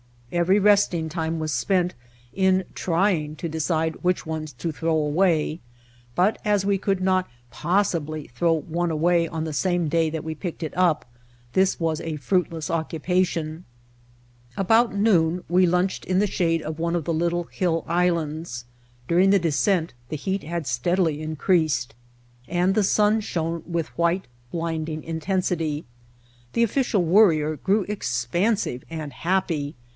Every resting time was spent in trying to decide which ones to throw away, but White Heart of Mojave as we could not possibly throw one away on the same day that we picked it up, this was a fruit less occupation. About noon we lunched in the shade of one of the little hill islands. During the descent the heat had steadily increased and the sun shone with white, blinding intensity. The Official Worrier grew expansive and happy.